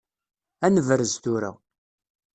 Ad nebrez tura.